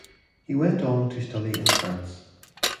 He went on to study in France.